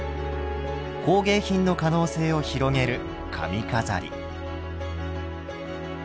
工芸品の可能性を広げる髪飾り。